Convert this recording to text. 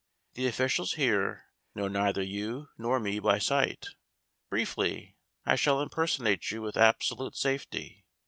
The officials here know neither you nor me by sight. Briefly, I shall impersonate you with absolute safety.